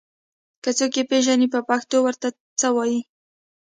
که څوک يې پېژني په پښتو ور ته څه وايي